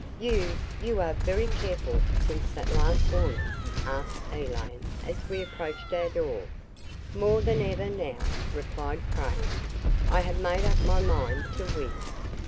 "You you are very careful since that last warning?" asked Elaine as we approached our door. "More than ever now," replied Craig. "I have made up my mind to win."